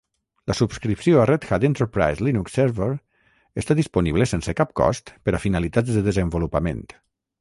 La subscripció a Red Hat Enterprise Linux Server està disponible sense cap cost per a finalitats de desenvolupament.